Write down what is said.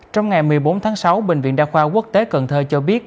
trong ngày một mươi bốn tháng sáu bệnh viện đa khoa quốc tế cần thơ cho biết